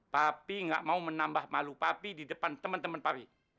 papi ga mau menambah malu papi di depan temen temen papi